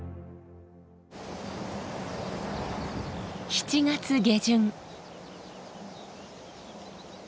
７月下旬。